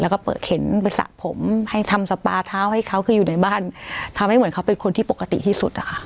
แล้วก็เปิดเข็นไปสระผมให้ทำสปาเท้าให้เขาคืออยู่ในบ้านทำให้เหมือนเขาเป็นคนที่ปกติที่สุดอะค่ะ